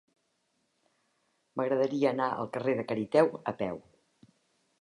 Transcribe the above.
M'agradaria anar al carrer de Cariteo a peu.